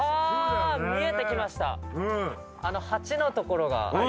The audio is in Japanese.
あ見えてきました。